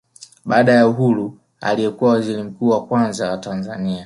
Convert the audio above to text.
Baada ya uhuru aliyekuwa waziri mkuu wa kwanza wa Tanzania